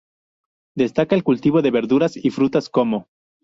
Destaca el cultivo de verduras y frutas como.